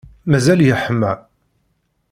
Mazal yeḥma.